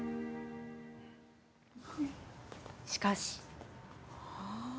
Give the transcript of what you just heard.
しかし。